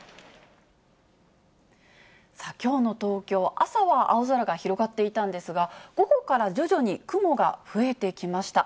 きょうの東京、朝は青空が広がっていたんですが、午後から徐々に雲が増えてきました。